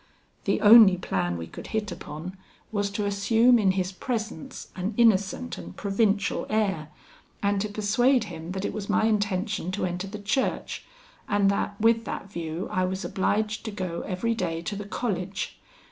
The only plan we could hit upon was to assume in his presence an innocent and provincial air, and to persuade him that it was my intention to enter the Church, and that with that view I was obliged to go every day to the college.